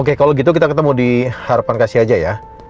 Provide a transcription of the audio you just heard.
oke kalau gitu kita ketemu di harapan kasih aja ya